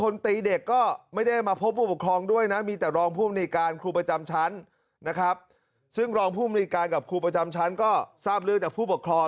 นะครับซึ่งรองผู้บริการกับครูประจำชั้นก็ทราบลือกจากผู้ปกครอง